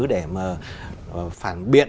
để mà phản biện